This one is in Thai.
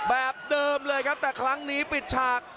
แบบเดิมเลยครับแต่ครั้งนี้ปิดฉาก